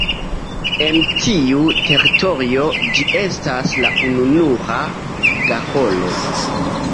En tiu teritorio ĝi estas la ununura garolo.